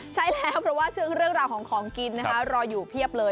ใช่แล้วเพราะว่าเรื่องราวของของกินนะคะรออยู่เพียบเลย